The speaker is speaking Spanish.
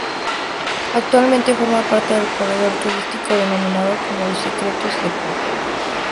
Actualmente forma parte del corredor turístico denominado como "Los Secretos de Puebla".